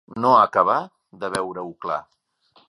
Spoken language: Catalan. No acabar de veure-ho clar.